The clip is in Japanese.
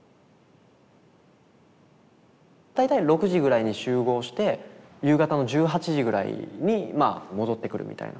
大体６時ぐらいに集合して夕方の１８時ぐらいに戻ってくるみたいな。